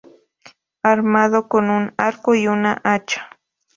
Armado con un arco y una hacha.